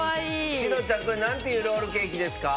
しのちゃんこれ何て言うロールケーキですか？